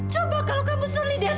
coba kalau kamu sulih dia sedikit